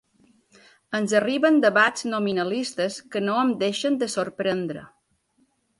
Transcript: Ens arriben debats nominalistes que no em deixen de sorprendre.